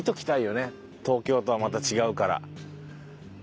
東京とはまた違うから。